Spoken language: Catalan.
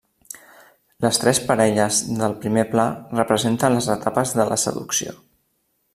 Les tres parelles del primer pla representen les etapes de la seducció.